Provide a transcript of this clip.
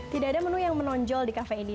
tidak ada menu yang menonjol di kafe ini